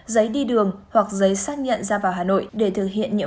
giấy đi đường hoặc giấy xác nhận ra vào hà nội